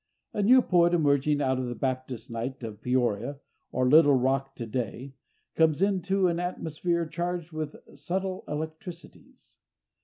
A new poet, emerging out of the Baptist night of Peoria or Little Rock to day, comes into an atmosphere charged with subtle electricities.